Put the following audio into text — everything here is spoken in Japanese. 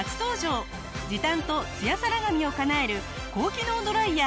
時短とツヤサラ髪をかなえる高機能ドライヤー